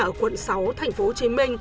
ở quận sáu tp hcm